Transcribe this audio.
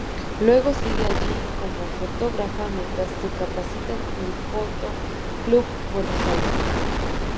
Luego sigue allí como fotógrafa, mientras se capacita en el Foto Club Buenos Aires.